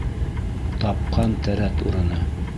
Тапҡан тәрәт урыны!